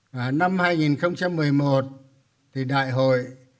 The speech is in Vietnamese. năm hai nghìn một mươi một đại hội